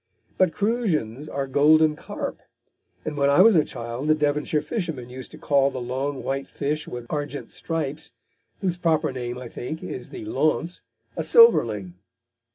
But "crusions" are golden carp, and when I was a child the Devonshire fishermen used to call the long white fish with argent stripes (whose proper name, I think, is the launce) a silverling.